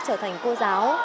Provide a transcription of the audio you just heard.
trở thành cô giáo